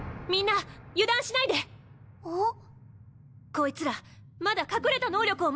こいつらまだ隠れた能力を持ってる。